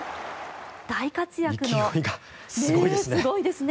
大活躍のすごいですね。